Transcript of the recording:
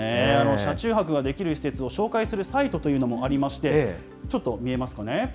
車中泊ができる施設を紹介するサイトというのもありまして、ちょっと見えますかね。